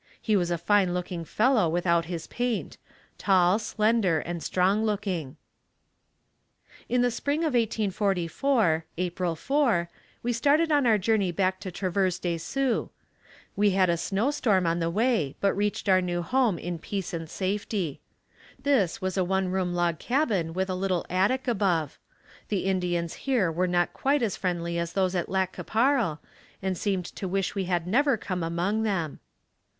He was a fine looking fellow without his paint; tall, slender and strong looking. In the spring of 1844, April 4, we started on our journey back to Traverse de Sioux. We had a snow storm on the way but reached our new home in peace and safety. This was a one room log cabin with a little attic above. The Indians here were not quite as friendly as those at Lac qui Parle and seemed to wish we had never come among them.